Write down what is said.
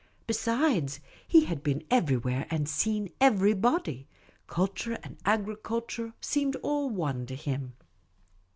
Besides, he had been everywhere and seen every body. Culture and agriculture seemed all one to him.